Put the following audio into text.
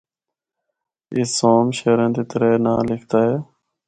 اُس ’سوم‘ شہراں دے ترے ناں لکھدا ہے۔